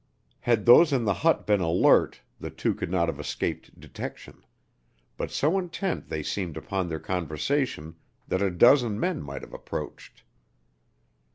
Had those in the hut been alert, the two could not have escaped detection, but so intent they seemed upon their conversation that a dozen men might have approached.